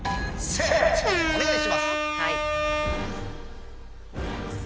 おねがいします。